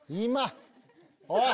おい！